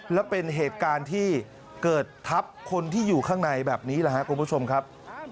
และเป็นเหตุการณ์ที่เกิดทับคนที่อยู่ข้างในแบบนี้แหละครับคุณผู้ชมครับ